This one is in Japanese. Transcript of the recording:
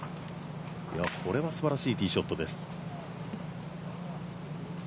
これはすばらしいティーショットです。